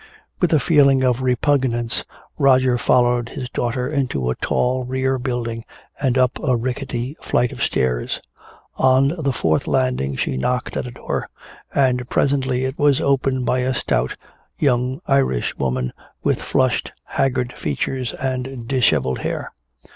With a feeling of repugnance Roger followed his daughter into a tall rear building and up a rickety flight of stairs. On the fourth landing she knocked at a door, and presently it was opened by a stout young Irish woman with flushed haggard features and disheveled hair.